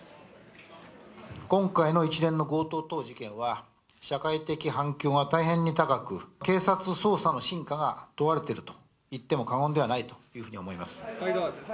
今回の一連の強盗等事件は、社会的反響が大変に高く、警察捜査の真価が問われていると言っても、過言ではないというふうに思います。